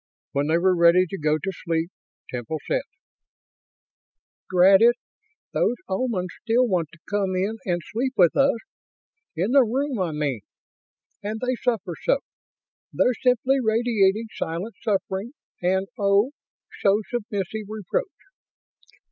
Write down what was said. When they were ready to go to sleep, Temple said: "Drat it, those Omans still want to come in and sleep with us. In the room, I mean. And they suffer so. They're simply radiating silent suffering and oh so submissive reproach.